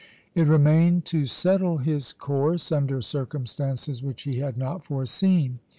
It remained to settle his course under circumstances which he had not foreseen.